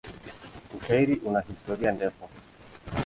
Ushairi una historia ndefu.